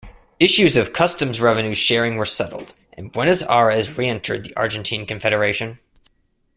Issues of customs revenue sharing were settled, and Buenos Aires reentered the Argentine Confederation.